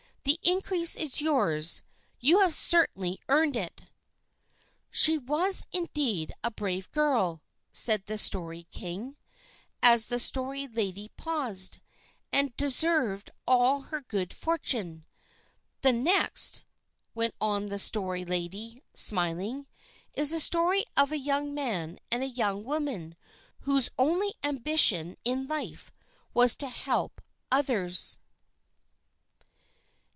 "The increase is yours; you have certainly earned it." "She was, indeed, a brave girl," said the Story King, as the Story Lady paused; "and deserved all her good fortune." "The next," went on the Story Lady, smiling, "is the story of a young man and a young woman whose only ambition in life was to help others."